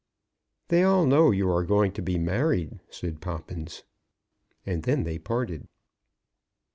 "They all know you are going to be married," said Poppins. And then they parted.